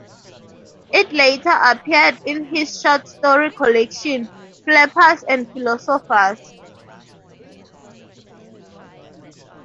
It later appeared in his short story collection "Flappers and Philosophers".